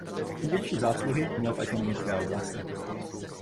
Největší zásluhy měl v ekonomické oblasti.